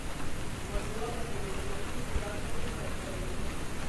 باسواده ښځې د نرسنګ په برخه کې کار کوي.